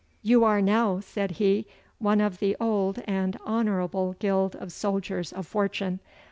'You are now,' said he, 'one of the old and honourable guild of soldiers of fortune.